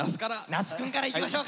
那須くんからいきましょうか！